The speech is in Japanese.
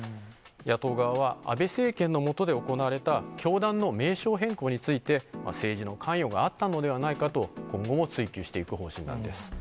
野党側は安倍政権の下で行われた教団の名称変更について、政治の関与があったのではないかと、今後も追及していく方針なんです。